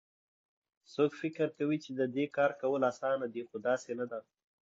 څوک فکر کوي چې د دې کار کول اسان دي خو داسي نه ده